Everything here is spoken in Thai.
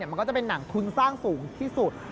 มันก็จะเป็นหนังทุนสร้างสูงที่สุด